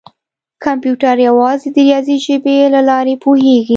کمپیوټر یوازې د ریاضي ژبې له لارې پوهېږي.